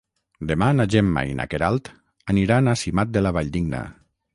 Demà na Gemma i na Queralt aniran a Simat de la Valldigna.